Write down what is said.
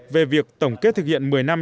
về việc tổng kết thực hiện một mươi năm